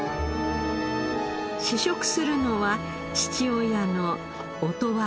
試食するのは父親の音羽和紀シェフ。